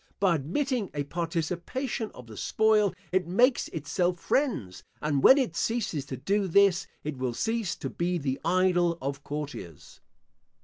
By admitting a participation of the spoil, it makes itself friends; and when it ceases to do this it will cease to be the idol of courtiers.